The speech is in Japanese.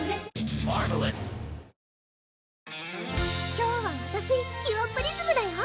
今日はわたしキュアプリズムだよ！